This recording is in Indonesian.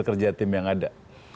kerja tim yang ada